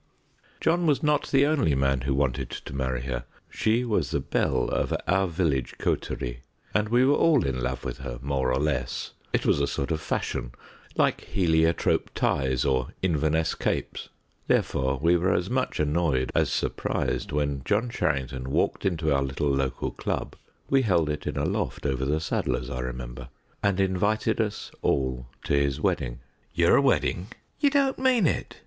John was not the only man who wanted to marry her: she was the belle of our village coterie, and we were all in love with her more or less; it was a sort of fashion, like heliotrope ties or Inverness capes. Therefore we were as much annoyed as surprised when John Charrington walked into our little local Club we held it in a loft over the saddler's, I remember and invited us all to his wedding. "Your wedding?" "You don't mean it?"